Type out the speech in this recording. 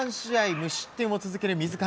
無失点を続ける水上。